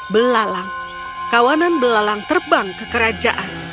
belalang kawanan belalang terbang ke kerajaan